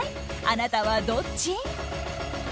あなたはどっち？